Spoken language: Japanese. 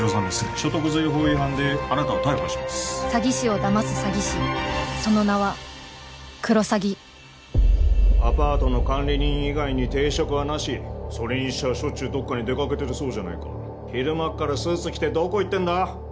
所得税法違反であなたを逮捕します詐欺師を騙す詐欺師その名はクロサギアパートの管理人以外に定職はなしそれにしちゃしょっちゅうどっかに出かけてるそうじゃないか昼間っからスーツ着てどこ行ってんだ？